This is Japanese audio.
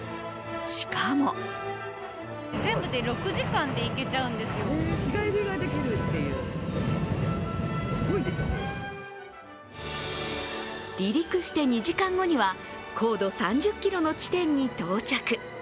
しかも離陸して２時間後には高度３０ｋｍの地点に到着。